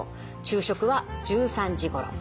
昼食は１３時ごろ。